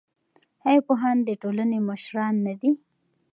ایا پوهان د ټولنې مشران نه دي؟